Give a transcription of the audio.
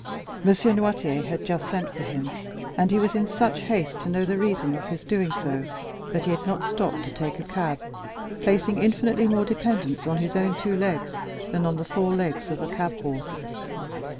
M. Noirtier had just sent for him, and he was in such haste to know the reason of his doing so that he had not stopped to take a cab, placing infinitely more dependence on his own two legs than on the four legs of a cab horse.